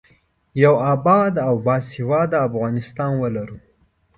یو اباد او باسواده افغانستان ولرو.